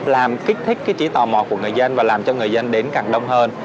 làm kích thích cái trí tò mò của người dân và làm cho người dân đến càng đông hơn